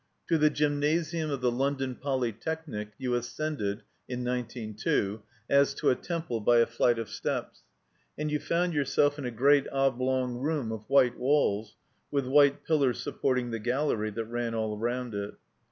To the Gymnasium of the London Polytechnic you ascended (in nineteen two) as to a temple by a flight of steps, and found yourself in a great oblong room of white walls, with white pillars supporting the gallery that ran all rotmd it.